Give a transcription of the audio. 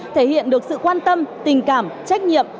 thể hiện được sự quan tâm tình cảm trách nhiệm